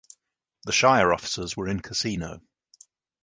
The shire offices were in Casino.